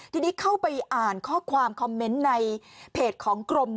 ทีนี้เข้าไปอ่านข้อความคอมเมนต์ในเพจของกรม